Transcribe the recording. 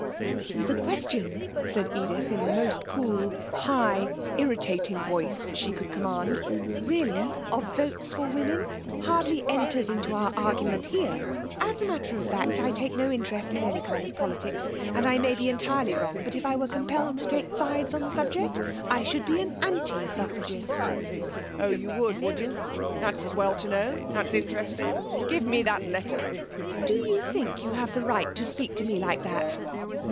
'The question,' said Edith, in the most cool, high, irritating voice she could command, 'really, of votes for women hardly enters into our argument here. As a matter of fact, I take no interest in any kind of politics, and, I may be entirely wrong, but if I were compelled to take sides on the subject, I should be an anti suffragist.' 'Oh, you would, would you? That's as well to know! That's interesting. Give me that letter.' 'Do you think you have the right to speak to me like that?'